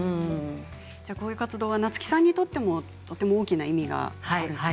こういう活動は夏木さんにとってもとても大きな意味が。